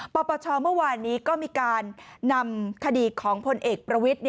ปปชเมื่อวานนี้ก็มีการนำคดีของพลเอกประวิทธิ